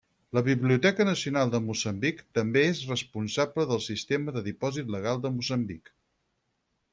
La Biblioteca Nacional de Moçambic també és responsable del sistema de dipòsit legal de Moçambic.